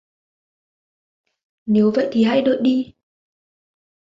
Nếu vậy thì hãy đợi đi